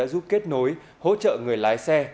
giúp kết nối hỗ trợ người lái xe